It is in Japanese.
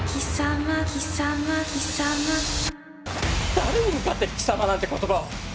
誰に向かって「貴様」なんて言葉を！